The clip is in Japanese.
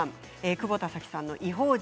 久保田早紀さんの「異邦人」。